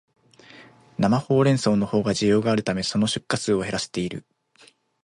生ホウレンソウのほうが需要があるため、その出荷数を減らしている